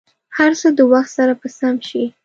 هر څه د وخت سره به سم شي.